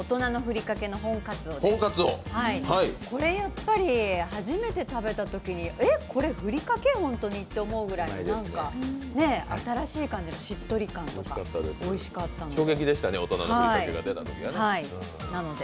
これ、初めて食べたときにふりかけ？って思うくらい新しい感じのしっとり感とか、おいしかったです。